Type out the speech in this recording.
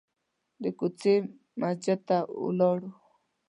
د کوڅې مسجد ته ولاړو.